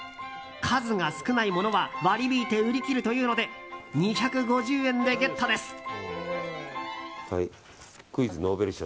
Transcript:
数が少ないものは割り引いて売り切るということで２５０円でゲットです。